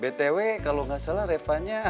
btw kalo gak salah refahnya